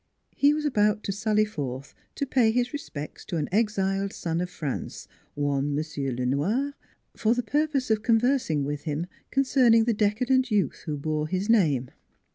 He was about to sally forth to pay his respects to an exiled son of France, one M. Le Noir, for the purpose of conversing with him concerning the decadent youth who bore his name.